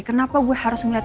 kenapa gue harus ngeliat itu